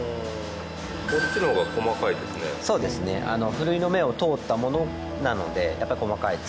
ふるいの目を通ったものなのでやっぱり細かいですね。